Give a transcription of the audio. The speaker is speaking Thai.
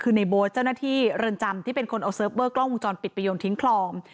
คือในโบ๊ทเจ้าหน้าที่เรือนจำที่เป็นคนเอาเซิร์ฟเวอร์กล้องวงจรปิดไปโยนทิ้งคลอง